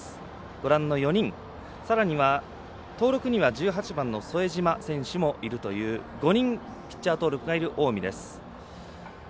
ご覧の４人さらには登録には１８番の副島選手もいるという５人ピッチャー登録がいる近江です。